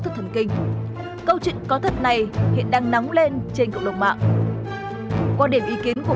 thức thần kinh câu chuyện có thật này hiện đang nóng lên trên cộng đồng mạng quan điểm ý kiến của